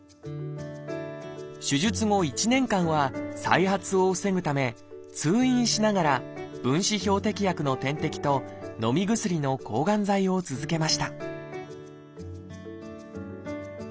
手術後１年間は再発を防ぐため通院しながら分子標的薬の点滴とのみ薬の抗がん剤を続けました